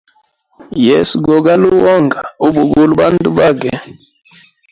Yesu gogaluwa onga ubugula bandu bage.